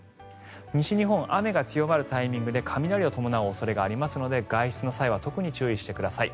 西日本、雨が強まるタイミングで雷を伴う恐れがありますので外出の際は特に注意してください。